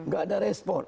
gak ada respon